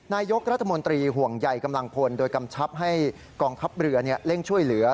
นายกรัฐมนตรีห่วงใยกำลังพลโดยกำชับให้กองทัพเรือเร่งช่วยเหลือ